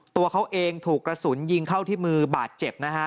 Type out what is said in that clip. ตัวเขาเองถูกกระสุนยิงเข้าที่มือบาดเจ็บนะฮะ